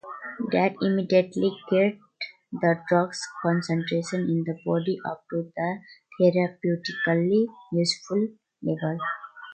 That immediately gets the drug's concentration in the body up to the therapeutically-useful level.